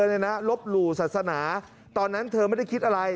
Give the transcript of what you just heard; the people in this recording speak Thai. นะลบหลู่ศาสนาตอนนั้นเธอไม่ได้คิดอะไร